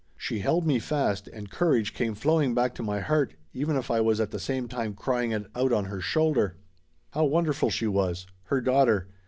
She held me fast and courage come flowing back to my heart even if I was at the same time crying it out on her shoulder. How wonderful she was! Her daughter!